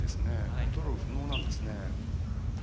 コントロール不能なんですね。